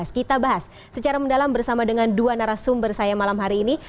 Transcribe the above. kita bahas secara mendalam bersama dengan dua narasumber saya malam hari ini